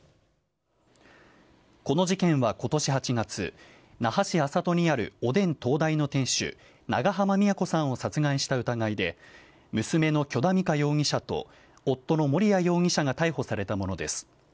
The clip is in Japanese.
この事件は今年８月那覇市安里にあるおでん東大の店主長浜美也子さんを殺害した疑いで娘の許田美香容疑者と夫の盛哉容疑者が逮捕されたものです。